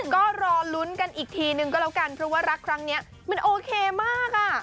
ก็รอลุ้นกันอีกทีนึงก็แล้วกันเพราะว่ารักครั้งนี้มันโอเคมากอ่ะ